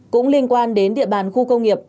cũng liên quan đến địa bàn khu công nghiệp